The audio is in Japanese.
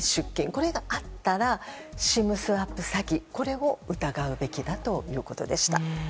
これがあったらＳＩＭスワップ詐欺をこれを疑うべきだということでした。